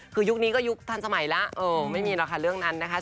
คือยุคนี้ก็ยุคทันสมัยแล้วไม่มีหรอกค่ะเรื่องนั้นนะคะ